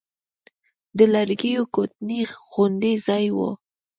د لرګيو کوټنۍ غوندې ځاى و.